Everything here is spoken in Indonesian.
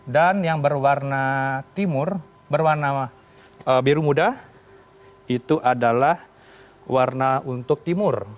dan yang berwarna timur berwarna biru muda itu adalah warna untuk timur